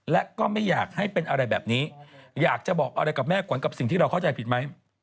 และก็ไม่อยากให้เป็นอะไรแบบนี้อยากจะบอกอะไรกับแม่ขวัญกับสิ่งที่เราเข้าใจผิดไหม